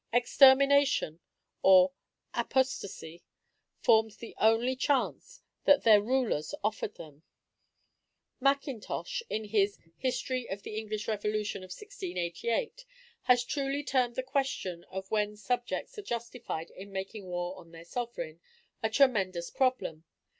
Extermination or apostasy formed the only choice that their rulers offered them. Mackintosh, in his "History of the English Revolution of 1688," has truly termed the question of when subjects are justified in making war on their sovereign, "a tremendous problem."